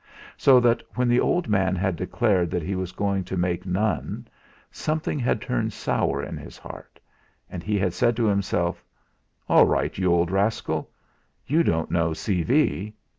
So that when the old man had declared that he was going to make none, something had turned sour in his heart, and he had said to himself: "All right, you old rascal! You don't know C. V."